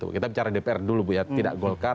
kita bicara dpr dulu tidak golkar